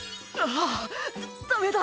ああダメだ！